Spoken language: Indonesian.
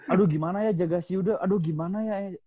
aduh gimana ya jaga si yuda aduh gimana ya